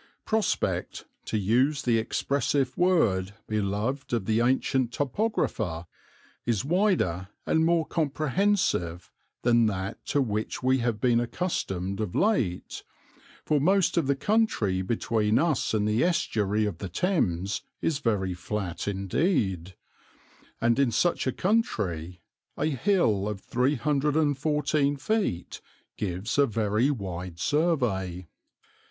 Prospect, to use the expressive word beloved of the ancient topographer, is wider and more comprehensive than that to which we have been accustomed of late, for most of the country between us and the estuary of the Thames is very flat indeed, and in such a country a hill of 314 feet gives a very wide survey.